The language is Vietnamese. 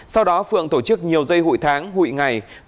sau đó phượng tổ chức nhiều dây hụi tháng hụi ngày